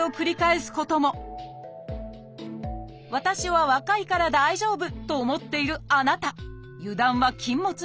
私は若いから大丈夫！と思っているあなた油断は禁物です。